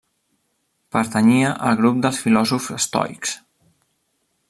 Pertanyia al grup dels filòsofs estoics.